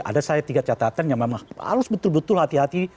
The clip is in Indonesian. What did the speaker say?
ada saya tiga catatan yang memang harus betul betul hati hati